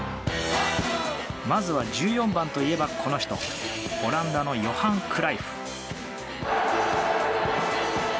まずは、１４番といえばこの人オランダのヨハン・クライフ。